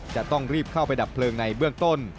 จะต้องรีบเข้าไปดับเพลิงในเบื้องต้น